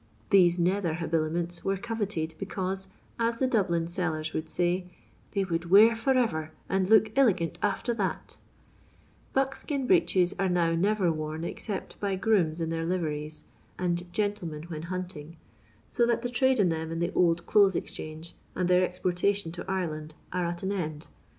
These nether habiliments were coveted because, as the Dublin sellers would say, they " would wear for ever, and look illigant after that'* Buckskin breeches are now never worn except by grooms in their liveries, and gentlemen when hunting, so that the trade in them in the Old Clothes Bzchange, and their ex portation to Ireland, are at an end.